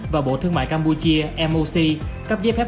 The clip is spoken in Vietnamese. và bộ thương mại campuchia moc cấp giấy phép